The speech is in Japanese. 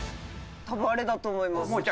多分あれだと思います。